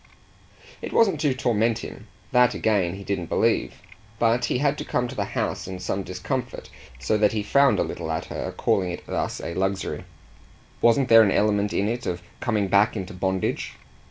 It wasn't to torment him that again he didn't believe; but he had to come to the house in some discomfort, so that he frowned a little at her calling it thus a luxury. Wasn't there an element in it of coming back into bondage?